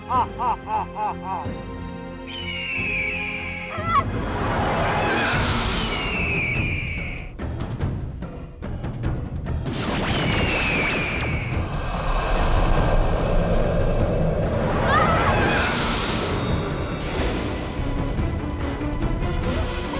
akhirnya kita sudah sampai